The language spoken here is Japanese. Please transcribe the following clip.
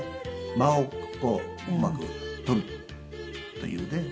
間をこううまく取るというね。